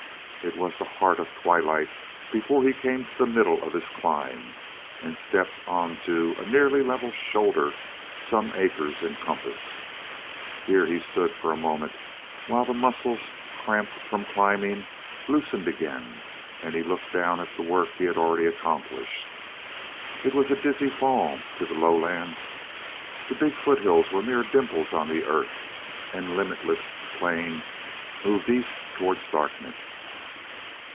It was the heart of twilight before he came to the middle of his climb and stepped onto a nearly level shoulder some acres in compass. Here he stood for a moment while the muscles, cramped from climbing, loosened again, and he looked down at the work he had already accomplished. It was a dizzy fall to the lowlands. The big foothills were mere dimples on the earth and limitless plain moved east towards darkness.